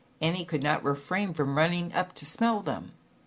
Annie could not refrain from running up to smell them.